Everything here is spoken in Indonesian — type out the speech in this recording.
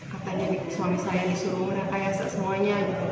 kata suami saya disuruh mereka yasa semuanya